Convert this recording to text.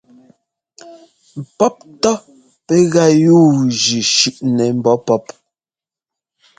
Pɔ́p ntɔ́ pɛ́ gá yúujʉ́ shʉ́ꞌnɛ mbɔ̌ pɔ́p.